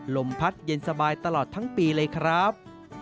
ลมพัดเย็นสบายตลอดทั้งปีเลยครับ